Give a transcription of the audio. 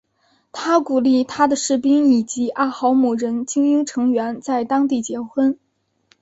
他鼓励他的士兵以及阿豪姆人精英成员在当地结婚。